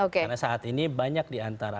karena saat ini banyak diantara